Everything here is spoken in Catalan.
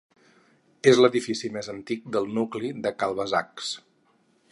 És l'edifici més antic del nucli de cal Bassacs.